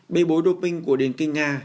bê bối đô pinh của điền kinh nga